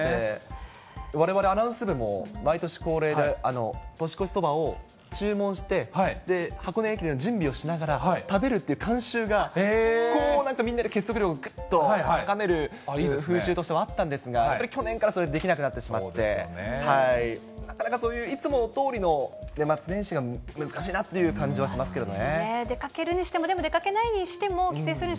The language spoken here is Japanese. われわれ、アナウンス部も、毎年恒例で、年越しそばを注文して、箱根駅伝の準備をしながら食べるっていう慣習が、こうなんかみんなで結束力高める風習としてはあったんですが、やっぱり去年からできなくなってしまって、なかなかそういういつものとおりの年末年始が難しいなっていう感じはしますけどね。